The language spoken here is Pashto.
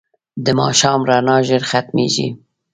د ماښام رڼا ژر ختمېږي